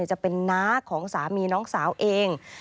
จะเป็นน้าของสามีน้องสาวเอง